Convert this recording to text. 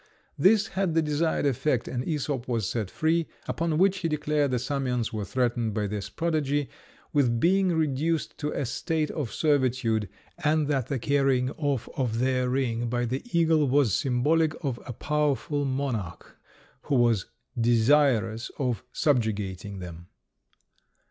This had the desired effect, and Æsop was set free, upon which he declared the Samians were threatened by this prodigy with being reduced to a state of servitude, and that the carrying off of their ring by the eagle was symbolic of a powerful monarch who was desirous of subjugating them.